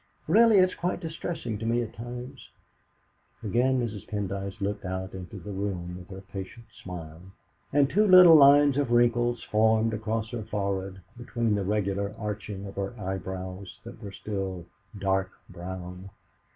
Really, it's quite distressing to me at times." Again Mrs. Pendyce looked out into the room with her patient smile, and two little lines of wrinkles formed across her forehead between the regular arching of her eyebrows that were still dark brown.